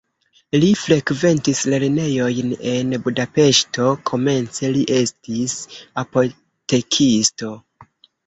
Li frekventis lernejojn en Budapeŝto, komence li estis apotekisto.